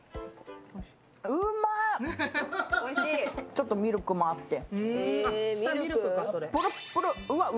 ちょっとミルクもあって。